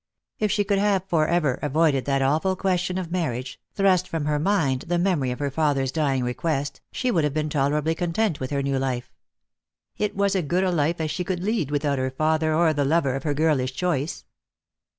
If she could have for ever avoided that awful question of marriage, thrust from her mind the memory of her father's dying request, she would have been tolerably content with her Lost for Love. 2 15 new life. It was as good a life as she could lead without her father ur the lover of her girlish choice.